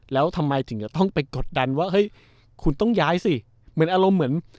แล้วทำไมถึงจะต้องไปกดดันว่าเฮ้ยคุณต้องย้ายสิเหมือนอารมณ์เหมือน